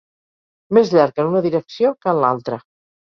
Més llarg en una direcció que en l'altra.